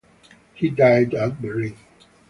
He died at Berlin.